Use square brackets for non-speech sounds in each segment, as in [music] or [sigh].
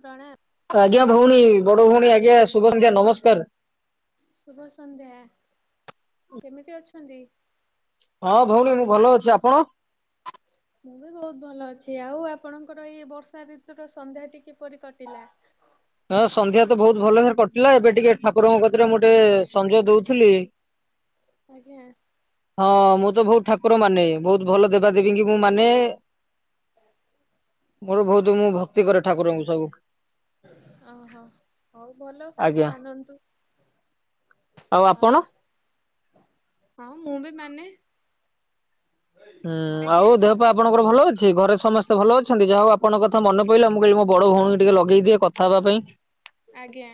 ପ୍ରଣାମ। ତ ଆଜ୍ଞା ଭଉଣୀ ବଡ଼ ଭଉଣୀ ଆଜ୍ଞା ଶୁଭସନ୍ଧ୍ୟା ନମସ୍କାର। ଶୁଭ ସନ୍ଧ୍ୟା କେମିତି ଅଛନ୍ତି? ହଁ ଭଉଣୀ ମୁଁ ଭଲ ଅଛି ଆପଣ? ମୁଁ ବି ବହୁତ ଭଲ ଅଛି ଆଉ ଆପଣଙ୍କର ଏଇ ବର୍ଷା ଋତୁୁର ସନ୍ଧ୍ୟା ଟି କିପରି କଟିଲା? ହଁ ସନ୍ଧ୍ୟା ତ ବହୁତ ଭଲଭାବ ରେ କଟିଲା ଏବେ ଟିକେ ଠାକୁରଙ୍କ କତିରେ ମୁଁ ଟିକେ ସଞ୍ଜ ଦଉଥିଲି। ଆଜ୍ଞା। ହଁ ମୁଁ ତ ବହୁତ ଠାକୁର ମାନେ ବହୁତ ଭଲ ଦେବା ଦେବୀ ଙ୍କି ମୁଁ ମାନେ ମୋର ବହୁତ ମୁଁ ଭକ୍ତି କରେ ଠାକୁରଙ୍କୁ ସବୁ। ଓହୋ ହଉ ଭଲ ଆଜ୍ଞା ମାନନ୍ତୁ। ଆଉ ଆପଣ? ହଁ ମୁଁବି ମାନେ। ହୁଁ ଆଜ୍ଞା। ଆଉ ଦେହ ପା ଆପଣଙ୍କର ଭଲ ଅଛି ଘରେ ସମସ୍ତେ ଭଲ ଅଛନ୍ତି ଯାହା ହଉ ଆପଣଙ୍କ କଥା ମନ ପଇଲା ମୁଁ କହିଲି ମୋ ବଡ଼ ଭଉଣୀକି ଟିକେ ଲଗେଇ ଦିଏ କଥା ହବା ପାଇଁ। ଆଜ୍ଞା।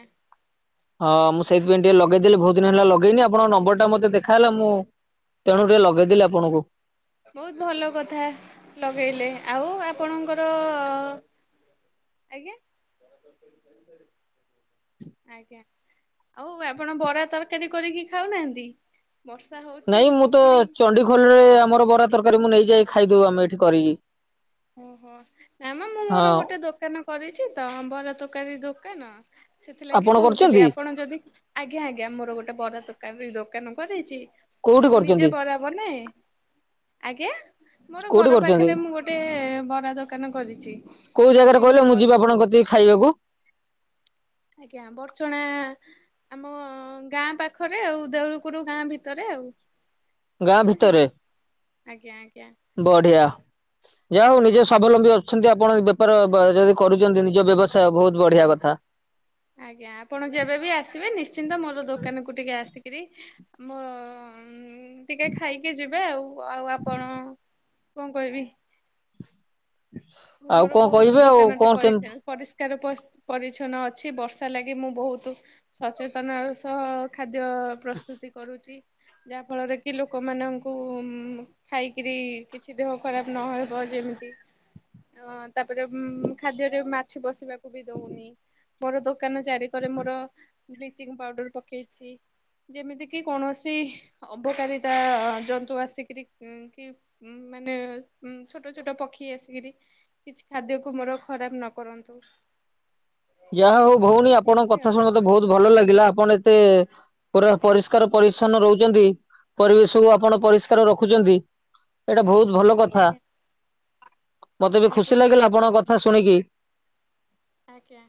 ହଁ ମୁଁ ସେଇଥିପାଇଁ ଟିକେ ଲଗେଇଦେଲି ବହୁତ ଦିନ ହେଲା ଲଗେଇନି ଆପଣଙ୍କ ନମ୍ବର ଟା ମତେ ଦେଖା ହେଲା ମୁଁ ତେଣୁ ଟିକେ ଲଗେଇଦେଲି ଆପଣଙ୍କୁ। ବହୁତ ଭଲ କଥା ଲଗେଇଲେ ଆଉ ଆପଣଙ୍କର ଅ ଆଜ୍ଞା ଆଜ୍ଞା ଆଉ ଆପଣ ବରା ତରକାରୀ କରିକି ଖାଉନାହାନ୍ତି? ବର୍ଷା ହଉଚି ନାଇଁ ମୁଁ ତ ପକୁଡ଼ି [unintelligible] ଆମର ବରା ତରକାରୀ ମୁଁ ନେଇଯାଏ ଖାଇଦଉ ଆମେ ଏଠି କରିକି। ଓହୋ ନାମ ମୁଁ ମୋର ହଁ ଗୋଟେ ଦୋକାନ କରିଛି ତ ବରା ତରକାରୀ ଦୋକାନ। ସେଥିଲାଗି ଆପଣ କହୁଥିଲି କରୁଛନ୍ତି ଆପଣ ଯଦି ଆଜ୍ଞା ଆଜ୍ଞା ମୋର ଗୋଟେ ବରା ତରକାରୀ ଦୋକାନ କରେଇଛି। କୋଉଠି ମୁଁ ନିଜେ କରୁଛନ୍ତି ବରା ବନାଏ ଆଜ୍ଞା ମୋର କୋଉଠି ଘର କରୁଛନ୍ତି? ପାଖରେ ମୁଁ ଗୋ ଟେ ବରା ଦୋକାନ କରିଛି ସେଠି ମୁଁ ବରା ଦିଏ ଖାଇବାକୁ? ଆଜ୍ଞା ବଡ଼ଚଣା ଆମ ଗାଁ ପାଖରେ ଆଉ ଦେଉଳୁକୁରୁ ଗାଁ ଭିତରେ ଆଉ। ଗାଁ ଭିତରେ ବୁଝିଲେ ଆଜ୍ଞା ଆଜ୍ଞା ବଢ଼ିଆ ଯାହା ହଉ ନିଜେ ଆଜ୍ଞା ସ୍ଵାବଲମ୍ବୀ ଅଛନ୍ତି ଆପଣ ବେପାର ବା ଯଦି କରୁଛନ୍ତି ନିଜ ବ୍ୟବସାୟ ବହୁତ ବଢ଼ିଆ କଥା। ଆଜ୍ଞା ଆପଣ ଯେବେବି ଆସିବେ ନିଶ୍ଚିନ୍ତ ମୋର ଦୋକାନକୁ ଟିକେ ଆସିକିରି ମୋର ଉଁ ଉଁ ଉଁ ଟିକେ ଖାଇକି ଯିବେ ଆଉ ଆଉ ଆପଣ କଣ କହିବି ଆଉ ଉମର କଣ ବହୁତ କହିବେ ଆଉ ଦୋକାନଟେ କଣ କେମିତି ପଡିଥାଉ। ପରିଷ୍କାର ପସ ପରିଚ୍ଛନ୍ନ ଅଛି ବର୍ଷା ଲାଗି ମୁଁ ବହୁତୁ ସଚେତନାର ସହ ଖାଦ୍ୟ ପ୍ରସ୍ତୁତି କରୁଚି। ଯାହା ଫଳରେ କି ଲୋକମାନଙ୍କୁ ଉ ଖାଇକିରି କିଛି ଦେହ ଖରାପ ନହେବ ଯେମତି। ହଁ ତାପରେ ଉଁ ଖାଦ୍ୟରେ ମାଛି ବସିବାକୁ ବି ଦଉନି। ମୋର ଦୋକାନ ଚାରି କରେ ମୋର ବ୍ଲିଚିଂ ପାଉଡର ପକେଇଛି। ଯେମିତି କିି କୌଣସି ଅବକାରିତା ଜନ୍ତୁ ଆସିକିରି ଉଁ କି ଉଁ ମାନେ ଉଁ ଛୋଟ ଛୋଟ ପକ୍ଷୀ ଆସିକିରି କିଛି ଖାଦ୍ୟକୁ ମୋର ଖରାପ ନ କରନ୍ତୁ। ଯାହା ହଉ ଭଉଣୀ ଆପଣଙ୍କ ଏମିତି କଥା ଆଉ ଶୁଣିକୁ ମତେ ବହୁତ ଭଲ ଲାଗିଲା ଆପଣ ଏତେ ପୁରା ପରିଷ୍କାର ପରିଛନ୍ନ ରହୁଛନ୍ତି ପରିବେଶକୁୁ ଆପଣ ପରିଷ୍କାର ରଖୁଛନ୍ତି। ଏଇଟା ବହୁତ ଭଲ କଥା ଆଜ୍ଞା ମତେ ବି ଖୁସି ଆଜ୍ଞା ଲାଗିଲା ଆପଣଙ୍କ କଥା ଶୁଣିକି। ଆଜ୍ଞା।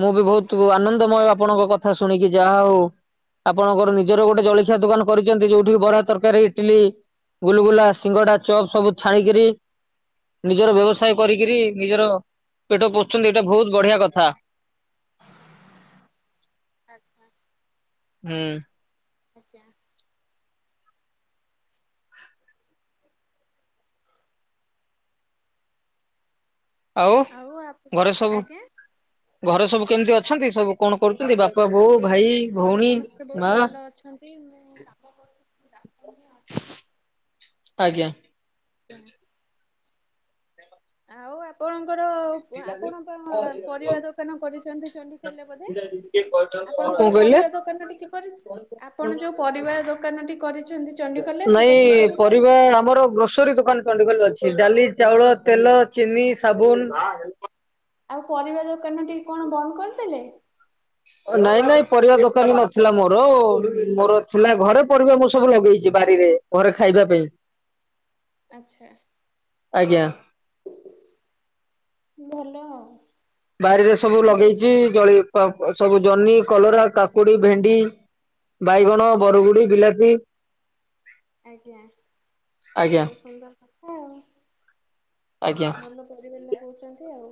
ମୁଁ ବି ବହୁତୁ ଆନନ୍ଦମୟ ଆପଣଙ୍କ କଥା ଶୁଣିକି ଯାହା ହଉ। ଆପଣଙ୍କର ନିଜର ଗୋଟେ ଜଳଖିଆ ଦୋକାନ କରିଚନ୍ତି ଯୋଉଠିକି ବରା, ତରକାରୀ, ଇଟିଲି ଗୁଲଗୁଲା, ସିଙ୍ଗଡ଼ା, ଚପ୍ ସବୁ ଛାଣିକରି ନିଜର ବ୍ୟବସାୟ କରିକିରି ନିଜର ପେଟ ପୋଷୁଛନ୍ତି ଏଇଟା ବୋହୁତ ବଢିଆ କ ଥା ଆଚ୍ଛା। ହୁଁ। ଆଜ୍ଞା। ଆଉ ଘରେ ସବୁ ଆଜ୍ଞା ଘରେ ସବୁ କେମତି ଅଛନ୍ତି ସବୁ କଣ କରୁଚନ୍ତି ବାପା, ବୋଉ, ଭାଇ? ଘରେ ଭଉଣୀ ସମସ୍ତେ ବୋହୁତ ମା ଭଲ ଅଛନ୍ତି ମୁଁ କାମ କ ଆଜ୍ଞା। ଜ୍ଞା ଆଉ ଆପଣଙ୍କର ପ୍ ଆପଣ ପା ଆ ପରିବା ଦୋକାନ କରିଛନ୍ତି ଚଣ୍ଡିଖୋଲରେ ବୋଧେ? କଣ ଆପଣଙ୍କର କହିଲେ ପରିବା ଦୋକାନଟି କିପରି ଆପଣ ଯୋଉ ପରିବା ଦୋକାନଟି କରି ନାଇଁ ପରିବା ଆମର ଗ୍ରୋସ୍ ଗ୍ରୋସରୀ ଦୋକାନ ଚଣ୍ଡିଖୋଲରେ ଅଛି ଡାଲି, ଚାଉଳ, ତେଲ, ଚିନି, ସାବୁନ। ଆଉ ପରିବା ଦୋକାନଟି କଣ ବନ୍ଦ କରିଦେଲେ? ନାଇଁ ନାଇଁ ପରିବା ଦୋକାନ ନଥିଲା ମୋର ମୋର ଥିଲା ଘରେ ପରିବା ମୁଁ ସବୁ ଲଗେଇଚି ବାରିରେ। ଘରେ ଖାଇବା ପାଇଁ। ଆଛା। ଆଜ୍ଞା। ଭଲ ଆ। ବାରିରେ ସବୁ ଲଗେଇଚି ଜଳି ପ-ପ-ସବୁ ଜହ୍ନି, କଲରା, କାକୁଡି, ଭେଣ୍ଡି। ବାଇଗଣ, ଆଜ୍ଞା ବରଗୁଡି, ବିଲାତି। ଆଜ୍ଞା ଆଜ୍ଞା ବୋହୁତ ସୁନ୍ଦର କଥା ଆଉ ଆଜ୍ଞା ଭଲ ପରିବା ଲଗୋଉଚନ୍ତି ଆଉ।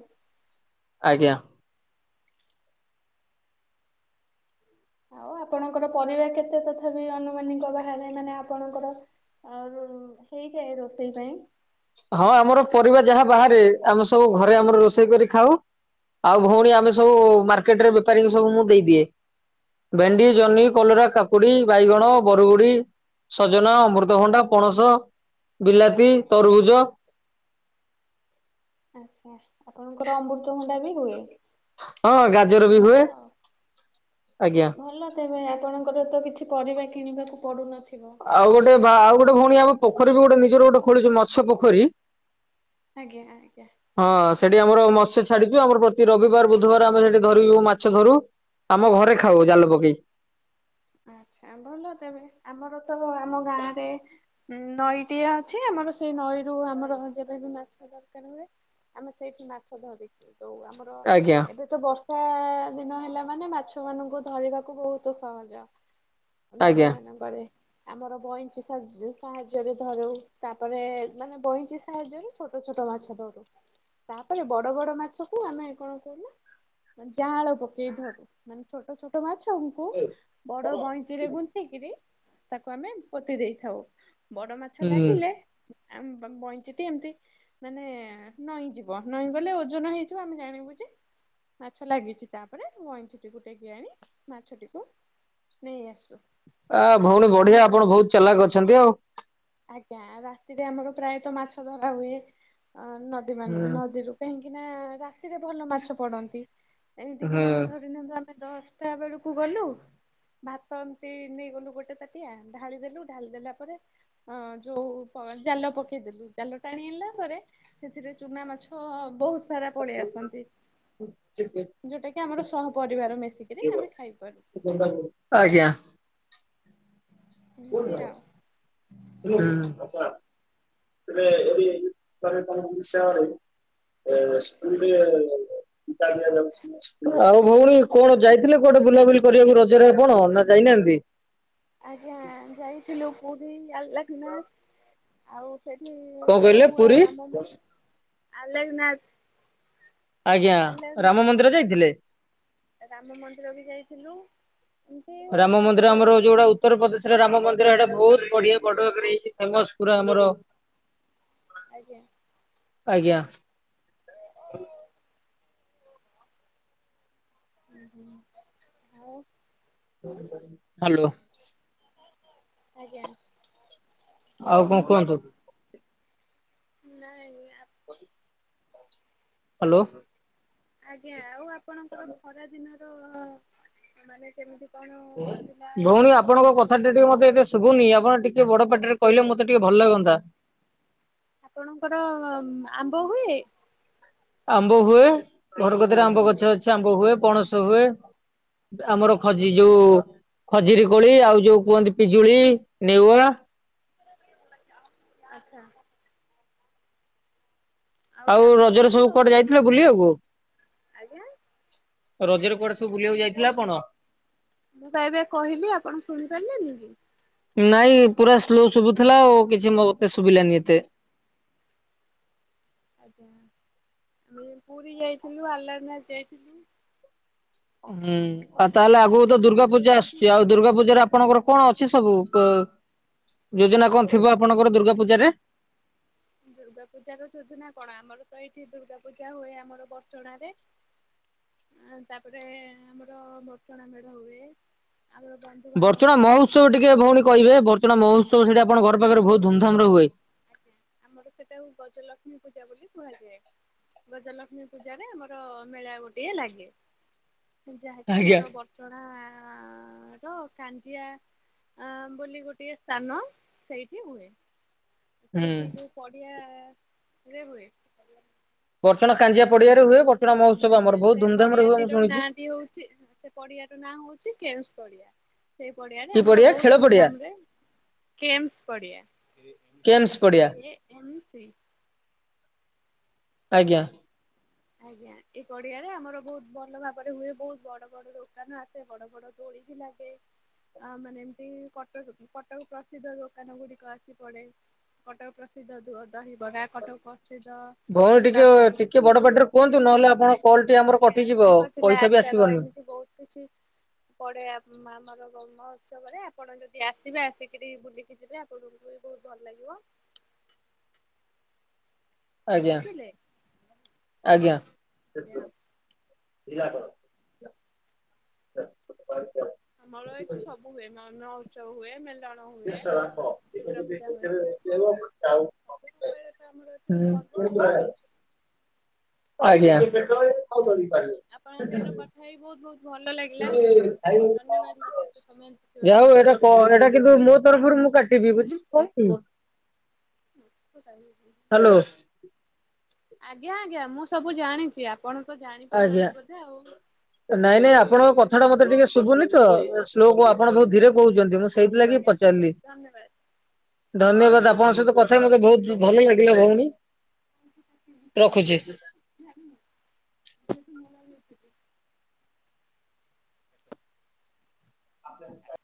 ଆଜ୍ଞା। ଆଉ ଆପଣଙ୍କର ପରିବା କେତେ ତଥାପି ଅନୁମାନୀଙ୍କ ବାହାରେ ମାନେ ଆପଣଙ୍କର ଆଉ ରୁଁ ହେଇଯାଏ ରୋଷେଇ ପାଇଁ? ହଁ ଆମର ପରିବା ଯାହା ଆଉ ବାହାରେ କିଛି ଆମେ ସବୁ ଘରେ ଆମର ରୋଷେଇ କରି ଖାଉ। ଆଉ ଭୋଉଣୀ ଆମେ ସବୁ ମାର୍କେଟରେ ବେପାରୀକି ସବୁ ମୁଁ ଦେଇଦିଏ। ଭେଣ୍ଡି, ଜହ୍ନି, କଲରା, କାକୁଡି, ବାଇଗଣ, ବରଗୁଡି। ସଜନା, ଅମୃତଭଣ୍ଡା, ପଣସ, ବିଲାତି, ତରଭୁଜ। ଆଚ୍ଛା ଆପଣଙ୍କର ଅମୃତଭଣ୍ଡା ବି ହୁଏ। ହଁ ଗାଜର ବି ଭଲ ହୁଏ ଆଉ। ଆଜ୍ଞା। ଭଲ ତେବେ ଆପଣଙ୍କର ତ କିଛି ପରିବା କିଣିବାକୁ ପଡୁନଥିବ। ଆଉ ଗୋଟେ ବା ଆଉ ଗୋଟେ ଭୋଉଣୀ ଆମ ପୋଖରୀ ବି ଗୋଟେ ନିଜର ଗୋଟେ ଖୋଳିଛୁ ମତ୍ସ୍ୟ ପୋଖରୀ। ଆଜ୍ଞା ଆଜ୍ଞା। ହଁ ସେଠି ଆମର ମତ୍ସ୍ୟ ଛାଡିଚୁ ଆମର ପ୍ରତି ରବିବାର ବୁଧବାର ଆମେ ସେଠି ଧରୁ ମାଛ ଧରୁ। ଆମ ଘରେ ଖାଉ ଜାଲ ପକେଇ। ଆଛା ଭଲ ତେବେ ଆମର ତବ ଆମ ଗାଁରେ ଉଁ ନଈଟିଏ ଅଛି ଆମର ସେଇ ନଈରୁ ଆମର ଯେବେ ବି ମାଛ ଦରକାର ହୁଏ ଆମେ ସେଇଠି ମାଛ ଧରିକି ଦୋଉ ଆମର ଆଜ୍ଞା ଏବେ ତ ବର୍ଷା ଦିନ ହେଲା ମାନେ ମାଛମାନଙ୍କୁ ଧରିବାକୁ ବୋହୁତ ସହଜ। ନଦୀ ଆଜ୍ଞା ମାନଙ୍କରେ। ଆମର ବଇଁଚି ସାର୍ଯ୍ ସାହାଯ୍ୟରେ ଧରୁ ତାପରେ ମାନେ ବଇଁଚି ସ୍ ସାହାଯ୍ୟରେ ଛୋଟ ଛୋଟ ମାଛ ଧରୁ ତାପରେ ବଡ଼ ବଡ଼ ମାଛକୁ ଆମେ କଣ କହିଲ ମାନେ ଜାଆଁଳ ପକେଇ ଧରୁ ମାନେ ଛୋଟ ଛୋଟ ମାଛଙ୍କୁ ବଡ ବଇଁଚିରେ ଗୁନ୍ଥିକିରି ଇ ତାକୁ ଆମେ ପୋତି ଦେଇଥାଉ ବଡ଼ ମାଛ ହୁଁ। ଲାଗିଲେ ଆମ୍ ବମ୍-ବଇଁଚିଟି ଏମତି ମାନେ ନଇଁ ଯିବ ନଇଁ ଗଲେ ଓଜନ ହେଇଯିବ ଆମେ ଜାଣିବୁ ଯେ ମାଛ ଲାଗିଚି ତାପରେ ବଇଁଛିଟିକୁ ଟେକି ଆଣି ମାଛଟିକୁ ନେଇ ଆସୁ। ଆ ଭଉଣୀ ବଢିଆ ଆମର ଆପଣ ଭୋଉତ ଚାଲାକ ଅଛନ୍ତି ଆଉ। ଆଜ୍ଞା ରାତିରେ ଆମର ପ୍ରାୟତଃ ମାଛଧରା ହୁଏ ଅ ନଦୀମାନ୍ ହୁଁ ନଦୀରୁ। କାହିଁକି ନା ରାତିରେ ଭଲ ମାଛ ପଡନ୍ତି ଏମିତିକି ହୁଁ ମାନେ ଧରି ନିଅନ୍ତୁ ଆମ୍ ମେ ଦଶଟା ବେଳୁକୁ ଗଲୁ ଭାତ ଏମତି ନେଇଗଲୁ ଗୋଟେ ତାଟିଆ ଢାଳି ଦେଲୁ ଢାଲି ଦେଲା ପରେ ହଁ ଯୋଉ ପ ଜାଲ ପକେଇଦେଲୁ ଜାଲ ଟାଣି ଆଣିଲା ପରେ ସେଥିରେ ଚୁନା ମାଛ ବୋହୁତ ସାରା ପଳେଇ ଆସନ୍ତି। ଯୋଉଟାକି ଆମର ସହ ପରିବାର ମିଶିକିରି ଆମେ ଖାଇପାରୁ। ଆଜ୍ଞା। ଏମିତି ଆଉ। [inaudible] ହୁଁ [inaudible] [inaudible] ଆଉ ଭଉଣୀ କୁଆଡେ ଯାଇଥିଲେ କୁଆଡେ ବୁଲାବୁଲି କରିବାକୁ ରଜରେ ଆପଣ ନା ଯାଇନାହାନ୍ତି? ଆଜ୍ଞା ଯାଇଥିଲୁ ପୁରୀ ଆଲାଖନାଥ ଆଉ ସେଠି କଣ ଏବେ କହିଲେ ନୂଆ ପୁରୀ ରାମ ମ ଆଲେଖନାଥ ଆଜ୍ଞା ରାମ ମନ୍ଦିର ଯାଇଥିଲେ। ରାମ ମନ୍ଦିର ବି ଯାଇଥିଲୁ। ଏମିତି ରାମ ମନ୍ଦିର ତାପରେ ଆମର ହଉଚି ଯୋଉଡା ଉ ଉତ୍ତରପ୍ରଦେଶେରେ ରାମ ମନ୍ଦିର ହେଇଟା ବୋହୁତ ବଢିଆ ବଡ ଆକାରରେ ହେଇଛି ଫେମସ୍ ପୁରା ଆମର ଆଜ୍ଞା। ଆଜ୍ଞା। ଆଜ୍ଞା ଆଉ। ହାଲୋ। ଆଜ୍ଞା। ଆଉ କଁ କୁହନ୍ତୁ? ନାଇଁ ଆପ୍ [inaudible] ହାଲୋ। ଆଜ୍ଞା ଆଉ ଆପଣଙ୍କର ଖରା ଦିନର ମାନେ କେମିତି କଣ କଟିଥିଲା ଆପଣଙ୍କର? ଦି ଟିକେ ମତେ ଏତେ ଶୁଭନି ଆପଣ ଟିକେ ବଡ ପାଟିରେ କହିଲେ ମତେ ଟିକେ ଭଲ ଲାଗନ୍ତା। ଆପଣଙ୍କର ଉଁ ଆମ୍ବ ହୁଏ? ଆମ୍ବ ହୁଏ ଘର କତିରେ ଆମ୍ବ ଗଛ ଅଛି ଆମ୍ବ ହୁଏ ପଣସ ହୁଏ। ବା ଆମର ଖଜି ଯୋଉ ଖଜିରି କୋଳି ଆଉ ଯୋଉ କୁହନ୍ତି ପିଜୁଳି ନେଉଆ। ଆଚ୍ଛା। ଆଉ ଜାମୁକୋଳି ରଜରେ ବି ସବୁ କୁଆଡେ ହଉଥିବ ଯାଇଥିଲ ବୁଲିଆକୁ? ଆଜ୍ଞା ରଜେରେ କୁଆଡେ ସବୁ ବୁଲିଆକୁ ଯାଇଥିଲେ ଆପଣ? ମୁଁ ପା ଏବେ କହିଲି ଆପଣ ଶୁଣି ପାରିଲେନି କି? ନାଇଁ ପୁରା ସ୍ଲୋ ଶୁଭୁଥିଲା ଆଉ କିଛି ମତେ ଶୁଭିଲାନି ଏତେ। ଆଜ୍ଞା ଆମେ ପୁରୀ ଯାଇଥିଲୁ ଆଲାରନାଥ ଯାଇଥିଲୁ। ଅ ହୁଁ ଆଉ ତାହେଲେ ଆଗୁକୁ ତ ଦୁର୍ଗା ତାପରେ ପୂଜା ସେଇଠି ଆସୁଚି ଆଉ ଦୁର୍ଗା ପୂଜାରେ ଆପ୍ ଆପଣଙ୍କର କଣ ଅଛି ସବୁ ପେ ଯୋଜନା କଁ ଥିବ ଆପଣଙ୍କର ଦୁର୍ଗା ପୂଜାରେ? ଦୁର୍ଗା ପୂଜାର ଯୋଜନା କଣ ଆମର ତ ଏଇଠି ଦୁର୍ଗା ପୂଜା ହୁଏ ଆମର ବଡଚଣାରେ। ଆଉ ତାପରେ ଆମର ବଡଚଣା ମେଢ ହୁଏ। ଆଉ ଏ ବନ୍ ବଡଚଣା ମହଉତ୍ସବ ଟିକେ ଭଉଣୀ କହିବେ ବଡଚଣା ମହଉତ୍ସବ ସେଇଟି ଆପଣ ଘର ବଡ଼ଚଣା ପାଖେରେ ଭୋଉତ ମହୋତ୍ସବ ଧୁମଧାମରେ ହୁଏ। ଆମର ସେଟାକୁ ଗଜଲକ୍ଷ୍ମୀ ପୂଜା ବୋଲି କୁହାଯାଏ। ଗଜଲକ୍ଷ୍ମୀ ପୂଜାରେ ଆମର ମେଳା ଗୋଟେ ଲାଗେ। ଯାହାକି ଆଜ୍ଞା। ଆମର ବ ଣ [unintelligible] କାଞ୍ଜିଆ ଅ ବୋଲି ଗୋଟେ ସ୍ଥାନ ସେଇଠି ହୁଏ। ହୁଁ ସେଇଠି ଯେଉଁ ପଡ଼ିଆରେ ହୁଏ। ବର୍ଚଣ କାଞ୍ଜିଆ ପଡିଆରେ ହୁଏ। ବର୍ଚଣ ମହୋତ୍ସବ ଆମର ବହୁ ଧୁମଧାମ ରେ ହୁଏ ମୁଁ ଶୁଣିଛି? ସିଏ ହଉଛି ସେ ପଡିଆ ର ନାଁ ହଉଛି କେଳୁସ ପଡିଆ। ସେଇ ପଡିଆରେ କି ଆମର ପଡିଆ ବହୁତ ଖେଳ ପଡିଆ ଧୁମଧାମରେ କେମ୍ସ ପଡିଆ। କେମ୍ସ ପଡିଆ ଏ ଏମ୍ ସି- ଆଜ୍ଞା। ଆଜ୍ଞା ଏ ପଡିଆରେ ଆମର ବହୁତ ଭଲ ଭାବରେ ହୁଏ। ବହୁତ ବଡ ବଡ ଦୋକାନ ଆସେ। ସେ ବଡ ବଡ ଦୋଳିବି ଲାଗେ। ଆଁ ମାନେ ଏମତି କଟକ କଟକ ପ୍ରସିଦ୍ଧ ଦୋକାନ ଗୁଡିକ ଆସି ପଡେ। କଟକ ପ୍ରସିଦ୍ଧ ଦହିିବରା କଟକ ପ୍ରସିଦ୍ଧ ଭଉଣୀ ଟିକେ ଠୁଙ୍କାପୁୁରୀ [unintelligible] କୁହନ୍ତୁ ନହେଲେ ଆପଣଙ୍କ କଲ୍ ଟି ଆମର ଆଜ୍ଞା କଟିଯିବ ଶଙ୍ଖଚିଲା ପଇସା ବି ଆସିବନି। ବହୁତ କିଛି ପଡେ ଆମର ମହୋତ୍ସବରେ ଆପଣ ଯଦି ଆସିବେ ଆସିକିରି ବୁଲିକି ଯିବେ? ତମକୁ ବି ବହୁତ ଭଲ ଲାଗିବ। ଆଜ୍ଞା ବୁଝିଲେ? ଆଜ୍ଞା। ଆଜ୍ଞା। ଜିଲାପ [unintelligible] ଆମର ଏଇଠି ସବୁ ହୁଏ ମନ ଉତ୍ସବ ହୁଏ। ମେ ମେଲଣ ହୁଏ ଦୁର୍ଗା ପୂଜା ହୁଏ। ମୁଁ କହିୟା କଥା ଆମର ଏଠି ହୁଁ [unintelligible] ଆଜ୍ଞା। ହଉ ଚଢିକି ପାରିବ। ଆପଣଙ୍କ ସହିତ କଥା ହ ବହୁତ ବହୁତ ଭଲ [unintelligible] ଲାଗିଲା ଯାହା ହଉ ଧନ୍ୟବାଦ ମତେ ଏତେ ସମୟ ଦେଇଥିବାରୁ ଏଇଟା ହଁ ଏଇଟା କିନ୍ତୁ ମୋ ତରଫରୁ ମୁଁ କାଟିବି? ବୁଝିଲି [unintelligible] ହ ପାଇ [unintelligible] ହ୍ୟାଲୋ। ଆଜ୍ଞା ଆଜ୍ଞା। ମୁଁ ସବୁ ଜାଣିଛି ଆପଣ ତ ଆଜ୍ଞା। ଜାଣିପାରୁନାହାନ୍ତି ବୋଧେ ଆଉ? ନାଇଁ ନାଇଁ ଆପଣଙ୍କ କଥା ଟା ମତେ ଟିକେ ଶୁଭୁନି ତ ସ୍ଲୋକୁ ଆପଣ ବହୁତ ଧୀରେ କହୁଛନ୍ତି ମୁଁ ଆଜ୍ଞା ସେଇଥିଲାଗି ଆଜ୍ଞା ଠିକ ପଚାରିଲି। ଅଛି ଧନ୍ୟବାଦ। ଧନ୍ୟବାଦ ଆପଣଙ୍କ ସହିତ କଥା କଥା ମତେ ବହୁତ ଭଲ ଲାଗିଲା ଭଉଣୀ ରଖୁଛି। [unintelligible] ଆଣ [unintelligible]